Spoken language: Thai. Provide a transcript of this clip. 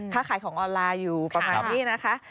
ค้าขายของออนไลน์อยู่ประมาณนี้นะคะ